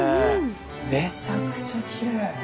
めちゃくちゃきれい。